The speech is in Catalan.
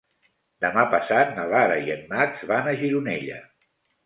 Demà passat na Lara i en Max van a Gironella.